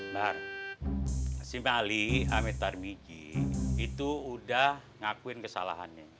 bar si ma ali sama tar mijij itu udah ngakuin kesalahannya